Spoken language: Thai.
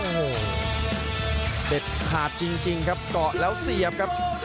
โอ้โหเด็ดขาดจริงครับเกาะแล้วเสียบครับ